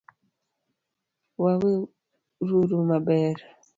Waweruru maber